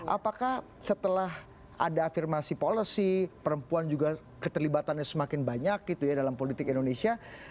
apakah setelah ada afirmasi policy perempuan juga keterlibatannya semakin banyak gitu ya dalam politik indonesia